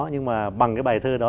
nhưng mà bằng cái bài thơ đó